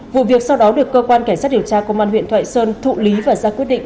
vụ việc sau đó được cơ quan cảnh sát điều tra công an huyện thoại sơn thụ lý và ra quyết định